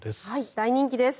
大人気です。